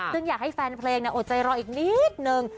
ซึ่งอยากให้แฟนเพลงโอดใจรออีกนิดนึง